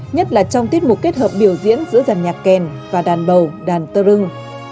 nhất là trong tiết mục kết hợp biểu diễn giữa dàn nhạc kèn và đàn bầu đàn tơ rưng